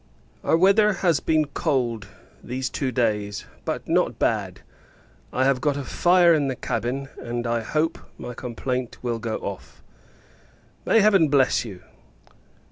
Our weather has been cold these two days, but not bad. I have got a fire in the cabin; and, I hope my complaint will go off. May Heaven bless you!